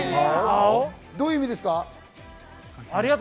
どういう意味ですか？